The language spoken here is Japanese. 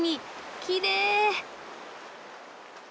きれい。